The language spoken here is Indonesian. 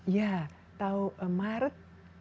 ya tahun maret seribu sembilan ratus sembilan puluh tujuh